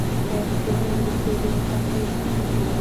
آیا سپین رنګ د سولې او پاکۍ نښه نه ده؟